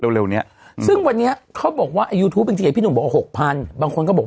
เร็วเนี้ยซึ่งวันนี้เขาบอกว่ายูทูปจริงจริงพี่หนุ่มบอกหกพันบางคนก็บอก